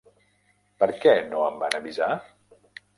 Per què no em van avisar?